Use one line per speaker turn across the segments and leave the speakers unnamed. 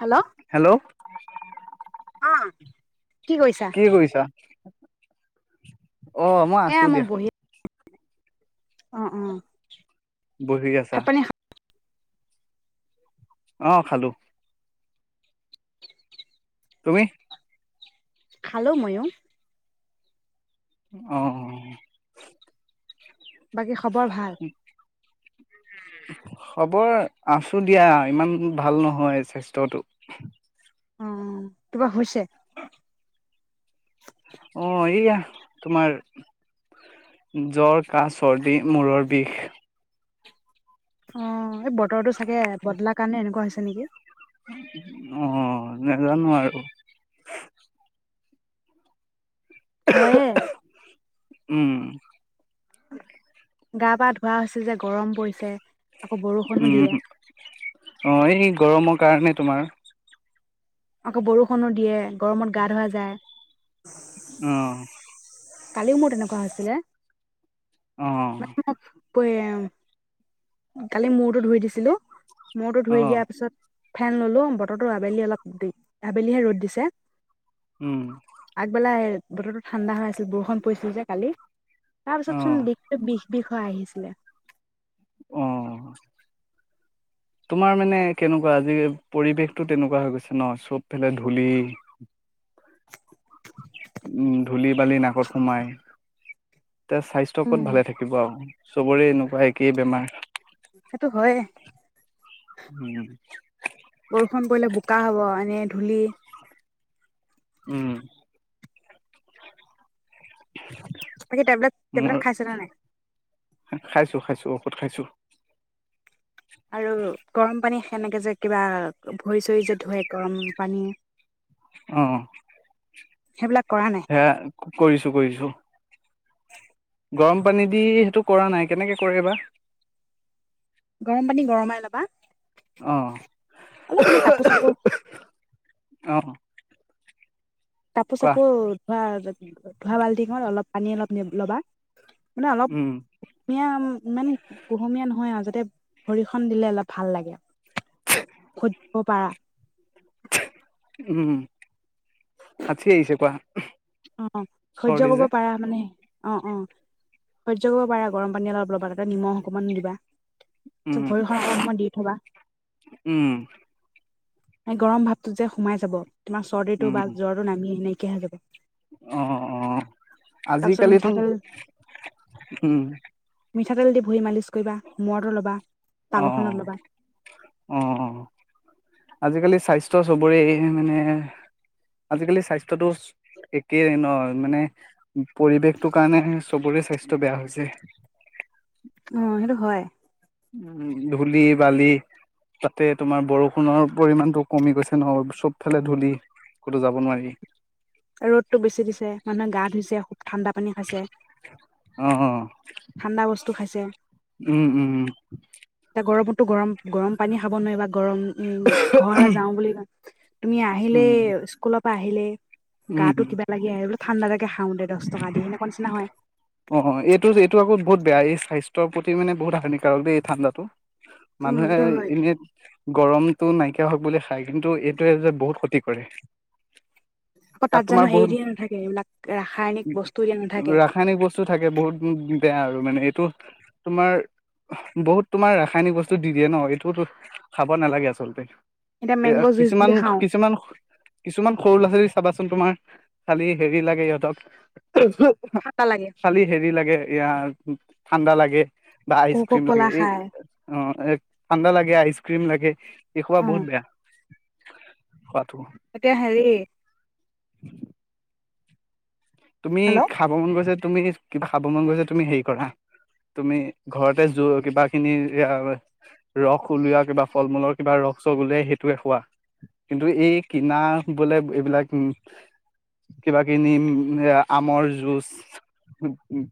Hello আহ
কি কৰিছা [unintelligible] অ মই
এয়া
আছো দিয়া
বহি অ অ
বহি আছা
ভাত পানী
অ খালো তুমি
খালো ময়ো
আহ
বাকী খবৰ ভাল
খবৰ আছো দিয়া ইমান ভাল নহয় স্বাস্থ্যটো
উ তোমাৰ হৈছে
অ এইয়া তোমাৰ জ্বৰ কাহহ চৰ্দি মূৰৰ বিষ
অ এই ব বতৰটো চাগে বদলাৰ কাৰণে এনেকুৱা হৈছে নেকি
অ নাজানো আৰু
হয়
উম
গা পা ধুৱ হৈছে যে গৰম পৰিছে আকৌ বৰষুণো
উম
দিয়ে
অ এই গৰমৰ কাৰণে তোমাৰ
আকৌ বৰষুণো দিয়ে গৰমত গা ধুৱা যায়
আহ
কালি উ মোত এনেকুৱা আছিলে
আহ
কালি মূৰটো ধুই দিছিলো মূৰটো
অ
ধুই দিয়াৰ পিছত ফেন ললো বতৰটো আবেলি অলপ দি আবেলিহে ৰ'দ দিছে।
উম
আগবেলা এই বতৰটো ঠাণ্ডা হৈ বৰষুণ পৰিছিল যে কালি। তাৰপিছত
অ
চোন [unintelligible] বিষ হৈ আহিছিলে।
অ। তোমাৰ মানে কেনেকুৱা আজি পৰিৱেশটো তেনেকুৱা হৈ গৈছে ন চবফালে ধূলি উম, ধূলি বালি নাকত সোমাই। তে স্বাস্থ্য
উম,
ওপৰত ভালে থাকিব আৰু। চবৰে এনেকুৱা একেই বেমাৰ।
সেইটো হয়। বৰষুণ পৰিলে বোকা হ'ব এনে ধূলি।
উম।
বাকী টেবলেট
মোৰ
টেবলেট খাইছে নে নাই?
খাইছো খাইছো খাইছো।
আৰু গৰম পানী সেনেকে যে কিবা ভৰি চৰি যে ধুৱে গৰম পানীয়ে।
অহ।
সেইবিলাক কৰা নাই
হে কৰিছো কৰিছো। গৰম পানী দি সেইটো কৰা নাই কেনেকে কৰে বা?
গৰম পানী গৰমাই ল'বা।
অ
অলপ কাপোৰ চাপোৰ।
অ
কাপোৰ
কোৱা
চাপোৰ ধোৱা ধোৱা বাল্টিখনত অলপ পানী অলপ ল'বা মানে অলপ
উম
কুমীয়া ইমান কুহুমীয়া নহয় আৰু যাতে ভৰিখন দিলে অলপ ভাল লাগে। [unintelligible] হ'ব পাৰা।
চে উম, হাচি আহিছে কোৱা।
অ', সহ্য
চৰ্দি
কৰিব
যে
পাৰা মানে? অ', অ', সহ্য কৰিব পাৰা গৰম পানী অলপ ল'বা তাতে নিমখ অকমান দিবা। ত
উম
ভৰিখন অকণ সময় দি থ'বা।
উম
এই গৰম ভাৱটো যে সোমাই যাব। তোমাৰ চৰ্দিটো
উম
ভাল জ্বৰটো নামি [unintelligible] তেতিয়া হে যাব।
অ অ
তাৰপিছত
আজিকালিতো
মিঠাতেল
উম
মিঠাতেল দি ভুই মালিচ কৰিবা মদ ল'বা
অ
তালুখনত লগ'বা
অ অ আজিকালি স্বাস্থ্য চবৰে মানে আজিকালি স্বাস্থ্যটো একেই ন মানে পৰিৱেশটো কাৰণে চবৰে স্বাস্থ্য় বেয়া হৈছে।
অ সেইটো হয়
উ ধূলি বালি তাতে তোমাৰ বৰষুণৰ পৰিমণতটো কমি গৈছে ন চব ফালে ধূলি কতো যাব নোৱাৰি।
ৰদতটো বেছি দিছে মানুহে গা ধইছে। ঠাণ্ডা পানী খাইছে
অ
ঠাণ্ডা বস্তু খাইছে
উম উম
এতিয়া গৰমত তো গৰম গৰম পানী খাব নোৱাৰি বা গৰম উ ঘৰলে যাওঁ বুলি ক তুমি আহিলে
উম
স্কুলত আহিলে
উম
গাটো
উম
কিবা লাগি আহে বোলে ঠাণ্ডা লাগে খাওঁ দে দহ টকা দি সেনেকুৱা নিচিনা হয়।
অ এইটো এইটো আকৌ বহুত বেয়া এই স্বাস্থ্যৰ প্ৰতি মানে বহুত হানিকাৰক দেই এই ঠাণ্ডাটো
উম
মানুহে
সেইটো হয়
এনেই গৰম। টো নাইকিয়া হওক বুলি খাই কিন্তু এইটোৱে যে বহুত ক্ষতি কৰে।
আকৌ
তাত
জানো
তোমাৰ
হেৰি
বহুত
দিয়া নাথাকে এইবিলাক ৰাসায়নিক
উ
বস্তু দিয়া নাথাকে
ৰাসায়নিক বস্তু থাকে বহুত বেয়া আৰু মানে এই ত তোমাৰ বহুত তোমাৰ ৰাসায়নিক বস্তু দি দিয়ে ন এইটো খাব নালাগে আচলতে
এতিয়া
এ
মেংগ' জুচ
কিছুমান
বুলি খাওঁ
কিছুমান কিছুমান সৰু ল'ৰা ছোৱালী চাবাচোন তোমাৰ খালি হেৰি লাগে ইহঁতক
ঠাণ্ডা লাগে
খালি হেৰি লাগে। ইয়াৰ ঠাণ্ডা লাগে বা আইচ
কক
ক্ৰীম লাগে
কলা
এই
খাই
অ ঠাণ্ডা লাগে আইচ। ক্ৰীম লাগে দেখোবা
অ
বহুত বেয়া। খোৱাটো
এতিয়া হেৰি
[unintelligible] তুমি
হেল্ল'
খাব মন গৈছে তুমি কিবা খাব মন গৈছে তুমি হেৰি কৰা তুমি ঘৰতে য কিবা খিনি ৰস উলিওৱা কিবা ফল মূলৰ কিবা ৰস চস উলিয়াই সেইটোয়ে খুৱোৱা কিন্তু এই কিনা বোলে এইবিলাক কিবাখিনি এ আমৰ যুজ ও ও ও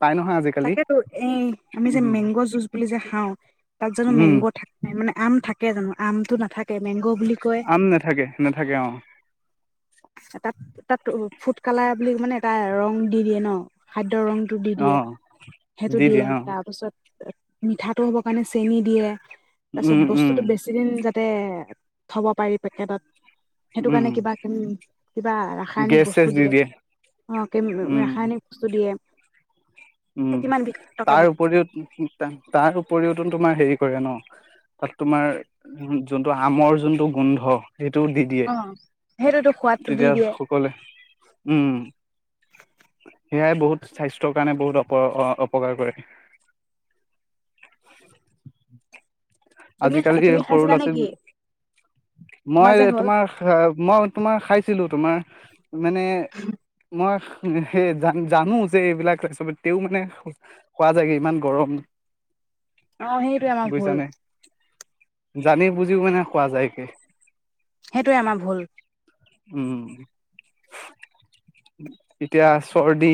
তাকেতো এই আমি যে
উম
মেংগ' যুছ বুলি যে খাওঁ তাত জানো
উম
মেংগ থাক নাই মানে আম থাকে থাকে জানো আমটো নাথাকে ত মেংগ বুলি কয়
আম নাথাকে নাথাকে অ
ত ফুড কালাৰ বুলি মানে এটা ৰং দি দিয়ে ন খাদ্য ৰংটো দি
অ
দিয়ে সেইটো
দি
দিয়ে
অ
তাৰপিছত মিঠাটো হ'ব কাৰণে চেনি দিয়ে
উম
তাৰপিছত
উম
বস্তুতটো বেছি দিন যা তে থব পাৰি পেকেটত সেইটো
উম
কাৰণে কিবা কিবা ৰাসায়নিক
গেছ চেছ
বস্তু
দি
দিয়ে অ
উম
ৰাসায়নিক বস্তু দিয়ে
উম
কিমান বিষাক্তকে
তাৰ
বনাই
উপৰিও তাৰ উপৰিওতো তোমাৰ হেৰি কৰে ন তাত তোমাৰ যোনটো আমৰ যোনটো গোন্ধ সেইটোও দি দিয়ে
অ সেইটোতো সোৱাদটো দি
তেতিয়া
দিয়ে
সকলোৱে উম সেয়াই বহুত সাস্থ্যৰ কাৰণ বহত অপকাৰ কৰে
তুমি
আজিকালি
তুমি
সৰু
খাইছিলা নে কি
ল'ৰাছোৱালী মই
যে হ'ল
তোমাৰ মই তোমাৰ খাইছিলো তোমাৰ মানে মই উ সেই জান জানো যে এইবিলাক চব তেও মানে খোৱা যায়গে ইমান গৰম
অ সেইটোৱে আমাৰ ভুল
বুজিছানে জানি বুজিও মানে কোৱা যায় কে
সেইটোৱে আমাৰ ভুল
উম এতিয়া চৰ্দি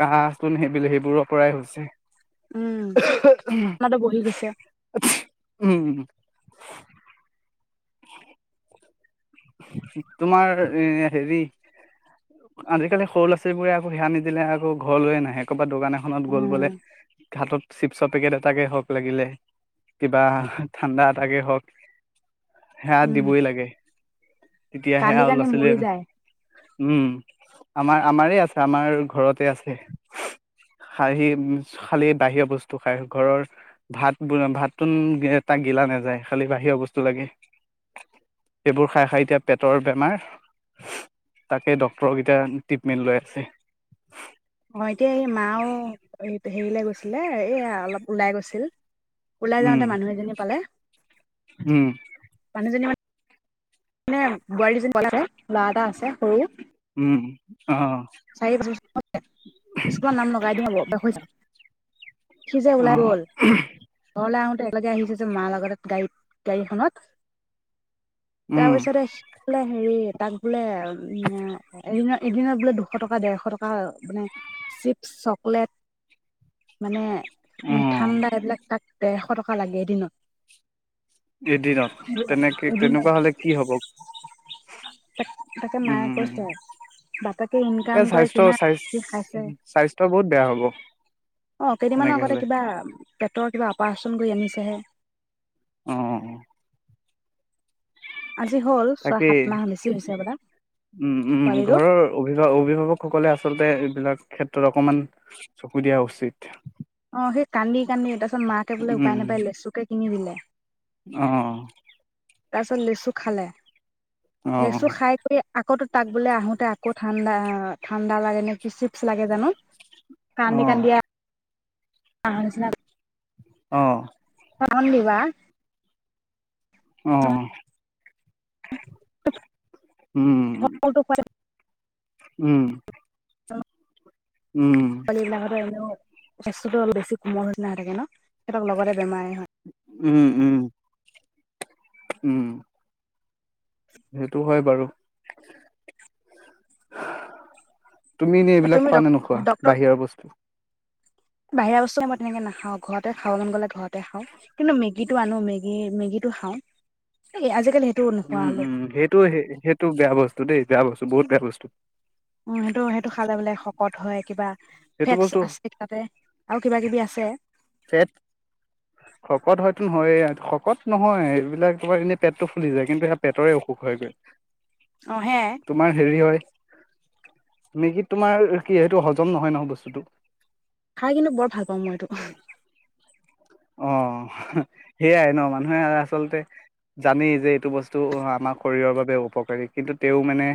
কাহচোন সেইবোৰ সেইবোৰৰ পৰাই হৈছে
উম
অহ অহ ওহ
আমাৰতো বহি গৈছে
হাচচি উম হে তোমাৰ এ হেৰি আজিকালি সৰু ল'ৰা ছোৱালীবোৰে আকৌ সেয়া নিদিলে আকৌ ঘৰলৈয়ে নাহে ক বা দোকান এখনত গ'ল
উম
বোলে ঘাটত চিপছৰ পেকেট এটাকে হওক লাগিলে কিবা ঠাণ্ডা এটাকে হওক হা
উম
দিবই লাগে তেতিয়াহে
কান্দি
আৰু
কান্দি
ল'ৰা
মৰি
ছোৱালীৰ
যায়
উম আমাৰ আমাৰ আছে আমাৰ ঘৰতে আছে খি খালি বাহিৰ বস্তু খাই ঘৰৰ ভাত ব ভাতটোোন এটা গিলা নাযায় খালি বাহিৰৰ বস্তু লাগে সেইবোৰ খাই খাই এতিয়া পেটৰ বেমাৰ তাকে ডক্তৰকেইতিয়া ট্ৰিটমেণ্ট লৈ আছে
অ এতিয়া এই মাও এই হেৰিলৈ গৈছিলে এই অলপ ওলাই গৈছিল ওলাই
উম
যাওঁতে মানুহ এজনী পালে
উম
মানুহজনী মানে বোৱাৰি আছে লৰা এটা আছে সৰু
উম অ
চাৰি বছৰ স্কুলৰ নাম লগগাই দিিয়ম অব বখ সি যেে
অ
ওলাই গ'ল ঘৰলৈ আহোতে একেলগে আহিছে যে মাৰ লগতাত গাড়ীত গাড়ীখনত ক
উম
পছৰে হেৰি তাক বোলে এদি এদিনত বোলে দুখ এশ টকা ডেৰশ টকা মানে চিপছ চকলেট মানে তুমি
উম
ঠাণ্ডা এইবিলাক ক ডৰশ টকা লাগে এদিনত
এদিনত তেনেকে
এদিনত
তেনেকুৱা হলে কি হব উম
বাপা ইনকাম
এই
কৰে
স্বাস্থ্য
কিমান খাইছে
স্বাস্থ্য বহুত বেয়া হব
অ কেইদিনমানৰ
এনেকে
আগতে
হলে
কিবা পেটৰ কিবা অপাৰেচন কৰি আনিছে দে
উম
আজি হ'ল ছয়
তাকেই
সাত মাহ বেছি হৈছে হবলা
উম উম
পোৱালিটো
ঘৰৰ অভিভাৱ অভিভাৱকসকলে আছে আচলতে এইবিলাক ক্ষেত্ৰত অকমান চকু দিয়া উচিত
অ সেই কান্দি কান্দি উতটা পিত মাকে বোলে উপায় নাপায় লেচুকে কিনিবিলে
আহ
তাৰপিছত লেচু খালে লেচু
অ',
খাই কৰি আকৌ তাক বোলে আহোতে আকৌ ঠাণ্ডা ঠাণ্ডা লাগে ন কিছি লাগে জানো কান্দি
অ',
কান্দিয়া অছ
অ
চ দিবা
আহ উম
ফলটো খোৱালে
উম উম,
পলিল স্বাস্থ্যতো অলপ বেছি কোমল হৈি ন হৈ থে ন সিহঁতৰ লগতে বেমাৰে হয়
উম উম উম সেইটো হয় বাৰু তুমি এনে এইবিলাক
তুমি
খোৱা নে নোখোৱা
ডক্তৰক
বাহিৰৰ বস্তু
বাহিৰা বস্তুে মই তেনেকে নাখাওঁ ঘৰতে খাবলৈ গ'লে ঘৰত খাওঁ কিন্তু মেগ মেগীটো আনো মেগী মেগী টো খাওঁ এই আজিকালি সেইটো নোখোৱা
উম
হ'লো
উম সেইটো সেইটো বেয়া বস্তু দেই বেয়া বস্তু বহুত বেয়া বস্তু
উ সেইটো সেইটো খালে বোলে শকত হয় কিবা
সেইটো
ফেটচ
বস্তু
আছে তাতে আৰু কিবা কিবি আছে
পেট শকত হয়তো নহয় শকত নহয় এইবিলাক তমাৰ এনেই পেটটো ফুলি যায় কিন্তু সয়া পেটৰে অসুখ হয়গৈ
অ সেয়াই
তোমাৰ হেৰি হয় মেগী তোমাৰ কি সেইটো হজম নহয় নহয় বস্তুটো
খাই কিন্তু বৰ ভাল পাওঁ মই এইটো
[inaudible] অ সেইয়াই ন মানুহে আচলতে জানেই যে এইটো বস্তু আমাৰ শৰীৰৰ বাবে উপকাৰী কিন্তু তেওঁ মানে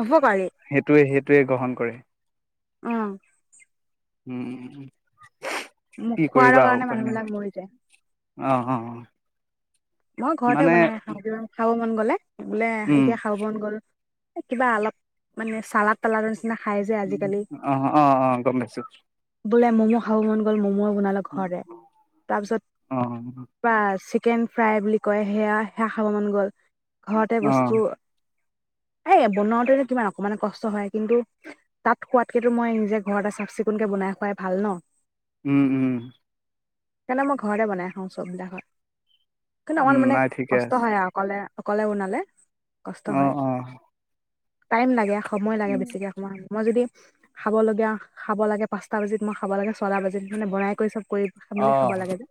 অপকাৰী
সেইটোয়ে গ্ৰহণ কৰে
আহ
উম উম উম
মোক খুৱাৰ [inaudible] মানুহ বিলাক মৰি যায়।
অঁ অ
মই ঘৰতে
মানে
বনাই খাওঁ খা ন গ'লে বোলে
উম
এতিয়া খা বন গ'ল কিবা অলপ মানে চালা তালাদ
অ অ অ গম আছে
খাও মন গ'ল মম বনাল ঘৰে তাৰপিছত
অ'
কে ফ্ৰাই বুলি কয় সেয়া সেয়া খাব মন গ'ল ঘৰতে বস্তু
অ'
এই বনাওতেো কিমান অকমান কষ্ট হয় কিন্তু তাত খোৱাতকেতো মই নিজে ঘৰ এটা চাফ চিকুণকে বনাই খোৱাই ভাল ন
উম উম
সেইকাৰণে মই ঘৰতে বনাই খাওঁ চবিদা হয় কি অমান
উম
মানে
নাই ঠিকে
কষ্ট হয় আৰু অকলে অ কলে নালে
আহ আহ
টাইম লাগে সময় লাগে বেছিকৈ সময় মই যদি খাব লগীয়া খাব লাগে পাঁচটা বাজিত মই খাব লাগে ছটা বাজিত মানে বনাই কৰি চব কৰি খ মে খাব
অ'
লাগে যে